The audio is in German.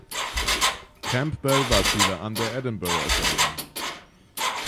Campbell war Schüler an der Edinburgh Academy.